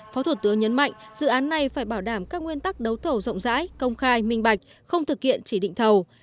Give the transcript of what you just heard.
phó thủ tướng nhấn mạnh dự án này phải bảo đảm các nguyên tắc đấu thầu rộng rãi công khai minh bạch không thực hiện chỉ định thầu